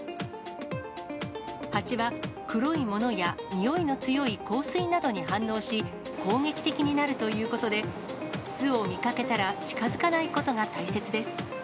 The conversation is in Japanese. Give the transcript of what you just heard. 蜂は黒いものやにおいの強い香水などに反応し、攻撃的になるということで、巣を見かけたら近づかないことが大切です。